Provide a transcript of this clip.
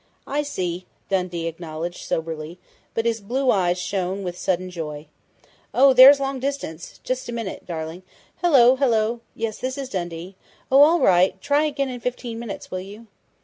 "I see!" Dundee acknowledged soberly, but his blue eyes shone with sudden joy. "Oh! There's long distance! Just a minute, darling!... Hello! Hello!... Yes, this is Dundee.... Oh! All right! Try again in fifteen minutes, will you?"